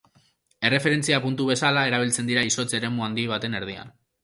Erreferentzia puntu bezala erabiltzen dira izotz eremu handi baten erdian.